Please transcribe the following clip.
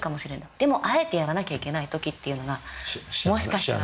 でもあえてやらなきゃいけない時っていうのがもしかしたら。